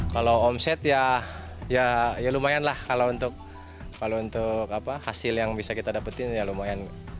kalau omset ya lumayan lah kalau untuk hasil yang bisa kita dapetin ya lumayan